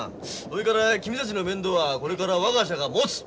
それから君たちの面倒はこれから我が社が持つ。